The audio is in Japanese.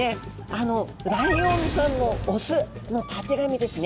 あのライオンさんの雄のたてがみですね。